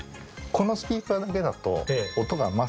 このスピーカーだけだと。